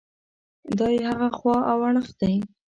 دا یې هغه خوا او اړخ دی.